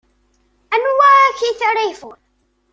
Anwa akkit ara yeffɣen?